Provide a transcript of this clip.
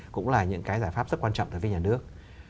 cũng là những cái giải pháp rất quan trọng tại phía nhà nước